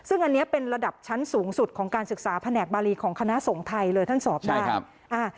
อันนี้เป็นระดับชั้นสูงสุดของการศึกษาแผนกบารีของคณะส่งไทยเลยท่านสอบตาใช่ครับอ่า